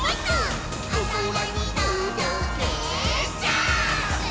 「おそらにとどけジャンプ！！」